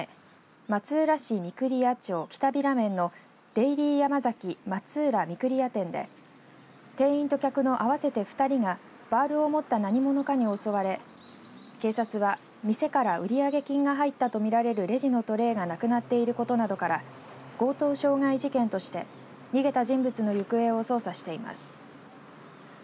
松浦市御厨町北平免のデイリーヤマザキ松浦御厨店で店員と客の合わせて２人がバールを持った何者かに襲われ警察は店から売り上げ金が入ったと見られるレジのトレーがなくなっていることなどから強盗傷害事件として逃げた人物の行方を捜査しています。